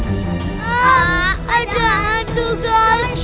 kamu bisa jadiin keras